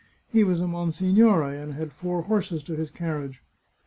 He was a monsignore, and had four horses to his carriage.